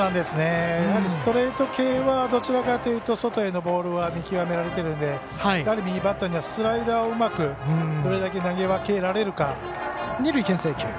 ストレート系はどちらかというと外へのボールは見極められてるので右バッターにはスライダーをうまくどれだけ投げ分けられるか。